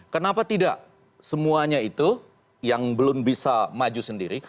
kenapa tidak semuanya itu yang belum bisa maju sendiri